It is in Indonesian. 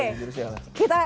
bagi jurusnya lah